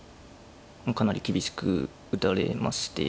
かなり厳しく打たれまして。